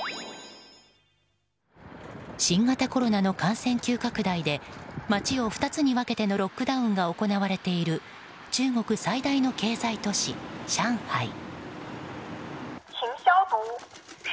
新型コロナの感染急拡大で街を２つに分けてのロックダウンが行われている中国最大の経済都市、上海。